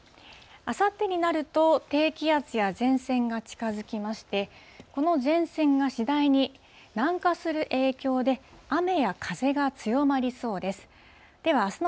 あさってになると、低気圧や前線が近づきまして、この前線が次第に南下する影響で、雨や風が強まりそうです。